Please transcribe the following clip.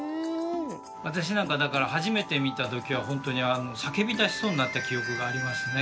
私なんかだから初めて見た時は本当に叫びだしそうになった記憶がありますね。